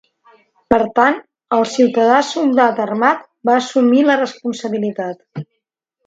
Per tant, el ciutadà-soldat armat va assumir la responsabilitat.